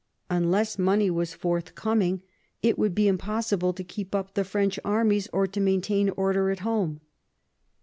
Unless money was forthcoming it would be impossible to keep up the French armies, or to maintain order at home.